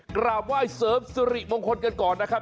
กราบไหว้เสริมสิริมงคลกันก่อนนะครับ